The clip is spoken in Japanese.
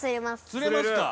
◆釣れますか。